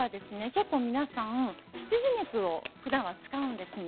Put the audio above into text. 結構皆さん羊肉をふだんは使うんですね。